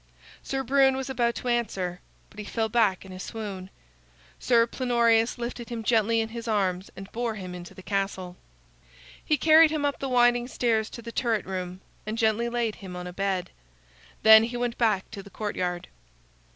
Sir Brune was about to answer, but he fell back in a swoon. Sir Plenorius lifted him gently in his arms and bore him into the castle. He carried him up the winding stairs to the turret room, and gently laid him on a bed. Then he went back to the courtyard.